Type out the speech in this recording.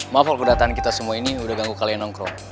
maaf kodatan kita semua ini udah ganggu kalian nongkrong